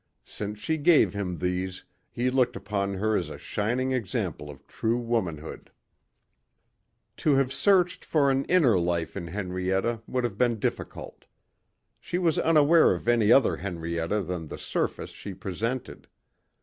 Since she gave him these he looked upon her as a shining example of true womanhood. To have searched for an inner life in Henrietta would have been difficult. She was unaware of any other Henrietta than the surface she presented.